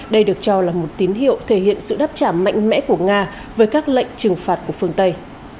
đây được cho là một tín hiệu thể hiện sự đáp trả mạnh mẽ của nga với các lệnh trừng phạt của phương tây